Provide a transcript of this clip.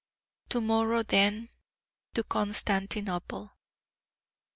To morrow, then, to Constantinople.